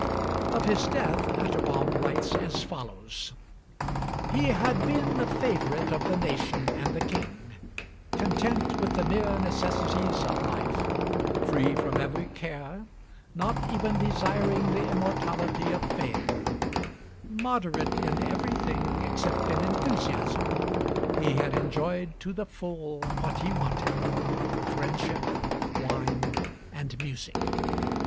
Of his death Atterbom writes as follows: "He had been the favorite of the nation and the King, content with the mere necessities of life, free from every care, not even desiring the immortality of fame; moderate in everything except in enthusiasm, he had enjoyed to the full what he wanted, friendship, wine, and music.